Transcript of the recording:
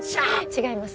違います。